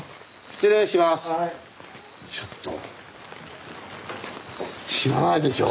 失礼します。